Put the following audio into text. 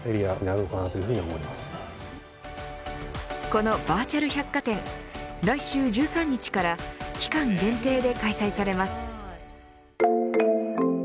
このバーチャル百貨店来週１３日から期間限定で開催されます。